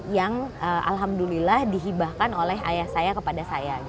yang alhamdulillah dihibahkan oleh ayah saya kepada saya